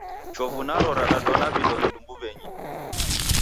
Chovu naro radanona vindo vedu mbuw'enyi.